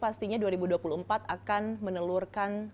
pastinya dua ribu dua puluh empat akan menelurkan